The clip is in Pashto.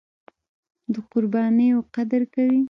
د قربانیو قدر کوي.